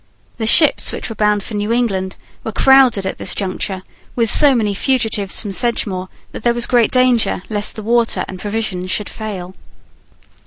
The ships which were bound for New England were crowded at this juncture with so many fugitives from Sedgemoor that there was great danger lest the water and provisions should fail.